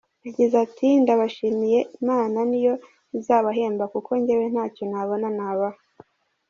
Yagize ati"Ndabashimiye Imana ni yo izabahemba kuko njyewe ntacyo nabona nabaha.